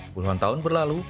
puluhan tahun berlalu